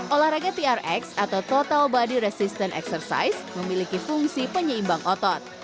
olahraga trx atau total body resistant exercise memiliki fungsi penyeimbang otot